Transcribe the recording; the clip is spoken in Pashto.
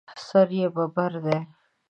سر یې ببر دی.